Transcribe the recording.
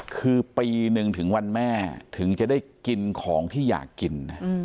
คือปีนึงถึงวันแม่ถึงจะได้กินของที่อยากกินนะ